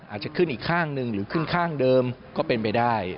อาจจะขึ้นอีกข้างหนึ่งหรือขึ้นข้างเดิมก็เป็นไปได้